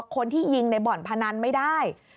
คนที่ยิงในบ่อนพนันไม่ได้